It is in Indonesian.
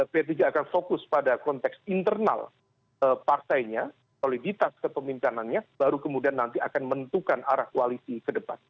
p tiga akan fokus pada konteks internal partainya soliditas kepemimpinannya baru kemudian nanti akan menentukan arah koalisi ke depan